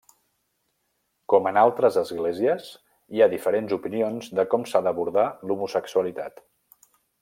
Com en altres esglésies hi ha diferents opinions de com s'ha d'abordar l'homosexualitat.